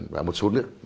và một số nước